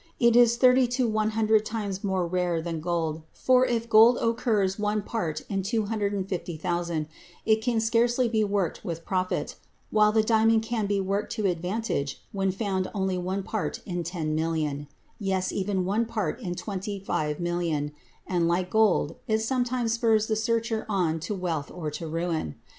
It is thirty to a hundred times more rare than gold, for if gold occurs one part in 250,000, it can scarcely be worked with profit, while the diamond can be worked to advantage when found only one part in 10,000,000,—yes, even one part in 25,000,000—and, like gold, it sometimes spurs the searcher on to wealth or to ruin.